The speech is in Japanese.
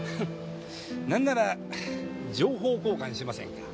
なんなら情報交換しませんか？